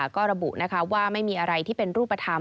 ก็ระบุว่าไม่มีอะไรที่เป็นรูปธรรม